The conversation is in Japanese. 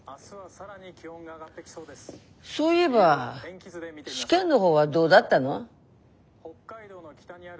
そういえば試験の方はどうだったの？